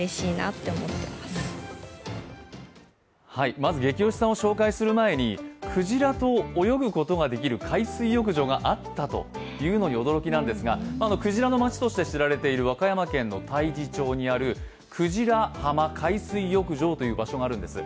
まずゲキ推しさんを紹介する前にクジラと泳ぐことができる海水浴場があったというのに驚きなんですがクジラの町として知られている和歌山県太地町にあるくじら浜海水浴場という場所があるんです。